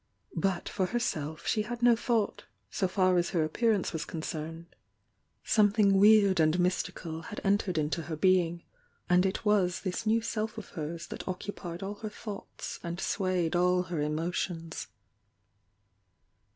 But for herself she aad no thought, so far as her appearance was concerned, something weird and mystical had entered into her being, and it was this new self of hers that occu pied all her thoughts and swayed all her emotions.